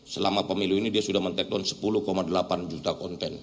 selama pemilu ini dia sudah men take down sepuluh delapan juta konten